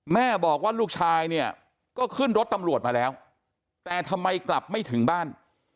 แม่บอกว่าลูกชายเนี่ยก็ขึ้นรถตำรวจมาแล้วแต่ทำไมกลับไม่ถึงบ้าน